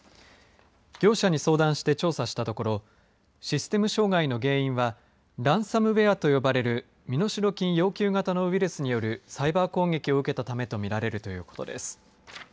業者に相談して調査したところシステム障害の原因はランサムウエアと呼ばれる身代金要求型のウイルスによるサイバー攻撃を受けたためと見られるということです。